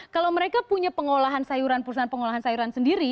kalau mereka punya pengolahan sayuran perusahaan pengolahan sayuran sendiri